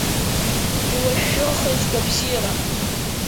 Иуашәшәырхеит сгәабзиара.